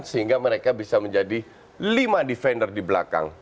sehingga mereka bisa menjadi lima defender di belakang